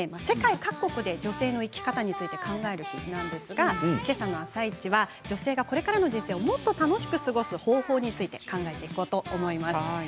世界各国で女性の生き方について考える日なんですがけさの「あさイチ」は女性がこれからの人生をもっと楽しく過ごす方法について考えていこうと思います。